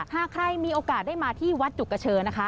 หากใครมีโอกาสได้มาที่วัดจุกเชอนะคะ